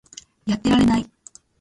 やってられない